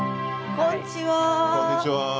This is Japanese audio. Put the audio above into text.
こんにちは。